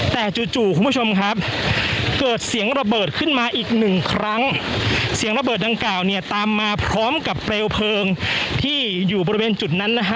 แต่จู่จู่คุณผู้ชมครับเกิดเสียงระเบิดขึ้นมาอีกหนึ่งครั้งเสียงระเบิดดังกล่าวเนี่ยตามมาพร้อมกับเปลวเพลิงที่อยู่บริเวณจุดนั้นนะฮะ